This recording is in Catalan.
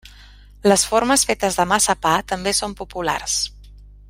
Les formes fetes de massapà també són populars.